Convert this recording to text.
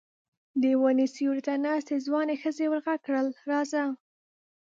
د وني سيوري ته ناستې ځوانې ښځې ور غږ کړل: راځه!